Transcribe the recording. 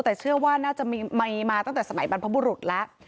แต่เชื่อว่าน่าจะมีมาตั้งแต่สมัยบรรพบุรุษแล้ว